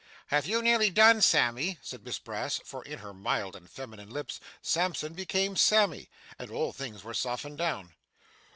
'Have you nearly done, Sammy?' said Miss Brass; for in her mild and feminine lips, Sampson became Sammy, and all things were softened down.